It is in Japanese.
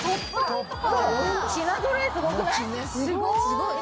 すごーい！